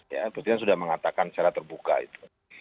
ya presiden sudah mengatakan secara terbuka itu